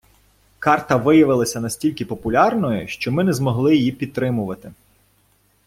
Карта виявилася настільки популярною, що ми не змогли її підтримувати.